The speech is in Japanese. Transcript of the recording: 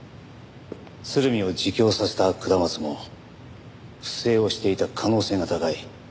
鶴見を自供させた下松も不正をしていた可能性が高い。